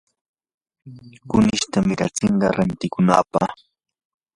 kunishta miratsishaq rantikunapaq.